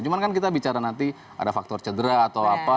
cuma kan kita bicara nanti ada faktor cedera atau apa